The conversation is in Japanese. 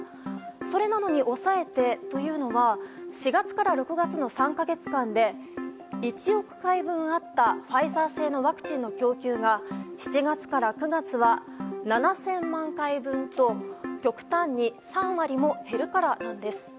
それなのに抑えてというのは４月から６月の３か月間で１億回分あったファイザー製のワクチンの供給が７月から９月は７０００万回分と極端に３割も減るからなんです。